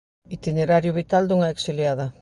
Itinerario vital dunha exiliada.